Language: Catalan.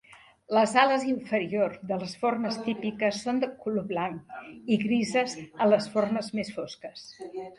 Les ales inferior de les formes típiques són de color blanc i grises en les formes més fosques.